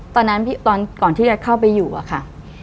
ตอนนั้นตอนก่อนที่จะเข้าไปอยู่อะค่ะ